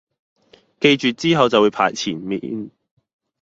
記住之後就會排前面